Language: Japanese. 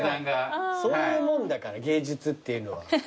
そういうもんだから芸術っていうのは。